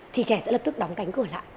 thì trẻ sẽ lập tức đóng cánh cửa lại